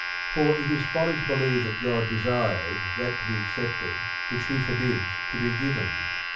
For it is folly to believe that God desires that to be accepted which He forbids to be given.